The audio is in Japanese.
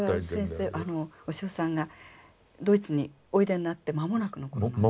それは先生小塩さんがドイツにおいでになって間もなくのことですか？